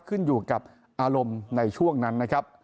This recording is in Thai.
ขึ้นอยู่กับอารมณ์ในช่วงนั้นนะครับ